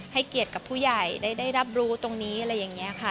เกียรติกับผู้ใหญ่ได้รับรู้ตรงนี้อะไรอย่างนี้ค่ะ